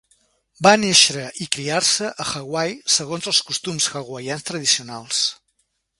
Va néixer i criar-se a Hawaii segons els costums hawaians tradicionals.